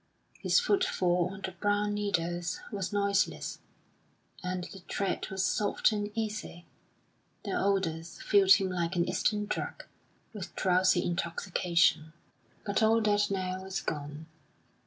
His footfall on the brown needles was noiseless, and the tread was soft and easy; the odours filled him like an Eastern drug with drowsy intoxication. But all that now was gone.